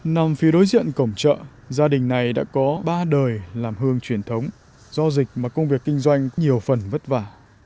nằm phía đối diện cổng chợ gia đình này đã có ba đời làm hương truyền thống do dịch mà công việc kinh doanh nhiều phần vất vả